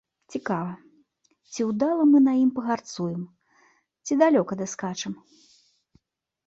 Цікава, ці ўдала мы на ім пагарцуем, ці далёка даскачам?